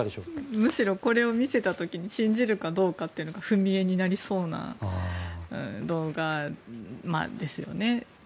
むしろ、これを見せた時に信じるかどうかというのが踏み絵になりそうな動画ですよね。